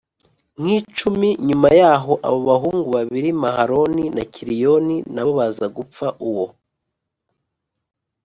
nk icumi nyuma abo bahungu babiri mahaloni na kiliyoni na bo baza gupfa uwo